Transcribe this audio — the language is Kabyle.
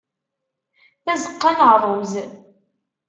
Tazeqqa n rruz.